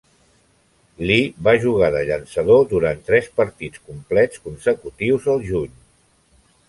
Lee va jugar de llançador durant tres partits complets consecutius al juny.